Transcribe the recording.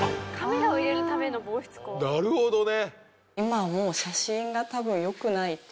なるほどね！